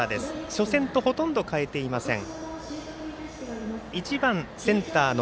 初戦とほとんど変えていません。